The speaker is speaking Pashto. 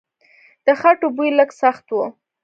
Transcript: د خټو بوی لږ سخت و.